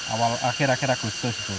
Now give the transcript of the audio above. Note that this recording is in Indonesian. awal akhir akhir agustus